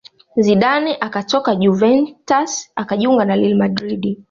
Zidane akatoka Juventus akajiunga real madrid